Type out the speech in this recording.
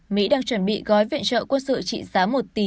mỹ đang chuẩn bị gói viện trợ quân sự trị giá một tỷ usd cho ukraine